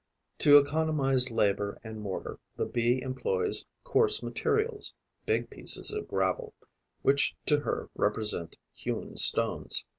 To economise labour and mortar, the Bee employs coarse materials, big pieces of gravel, which to her represent hewn stones.